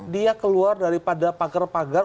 dia keluar daripada pagar pagar